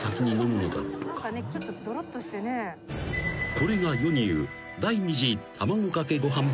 ［これが世にいう］